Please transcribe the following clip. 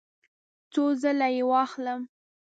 څو ځله یی واخلم؟